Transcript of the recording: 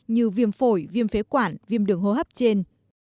như viêm phổi viêm phế quản viêm đường hô hấp trên